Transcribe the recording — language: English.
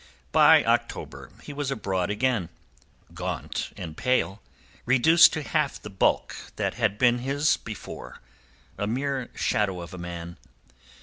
By October he was abroad again, gaunt and pale, reduced to half the bulk that had been his before, a mere shadow of a man.